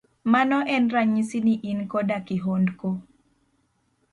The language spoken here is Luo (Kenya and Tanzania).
Mano en ranyisi ni in koda kihondko.